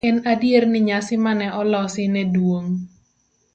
en adier ni nyasi mane olosi ne dwong'